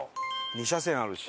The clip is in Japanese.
２車線あるし。